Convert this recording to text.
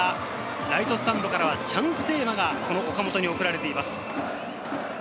ライトスタンドからは、チャンステーマが岡本に送られています。